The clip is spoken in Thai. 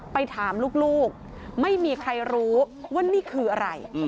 ไปถามลูกไม่มีใครรู้ว่านี่คืออะไร